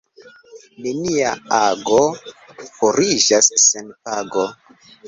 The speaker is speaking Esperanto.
Nenia ago fariĝas sen pago.